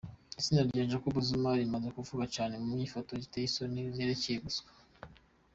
Izina rya Jacob Zuma riramaze kuvugwa cane mu nyifato ziteye isoni zerekeye ruswa.